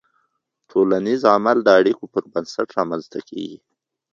ټولنیز عمل د اړیکو پر بنسټ رامنځته کېږي.